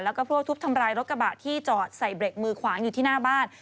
แล้วก็พวกทุบทำลายรถกระบะที่จอดใส่เบรกมือขวางอยู่ที่หน้าบ้าน